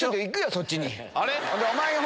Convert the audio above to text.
そっちに。